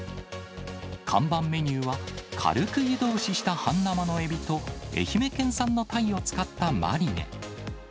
看板メニューは、軽く湯通しした半生のエビと、愛媛県産のタイを使ったマリネ。